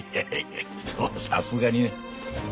さすがにね。